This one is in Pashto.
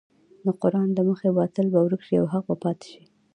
د قران له مخې باطل به ورک شي او حق به پاتې شي.